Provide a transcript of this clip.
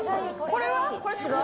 これ違う？